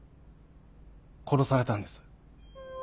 殺されたんです。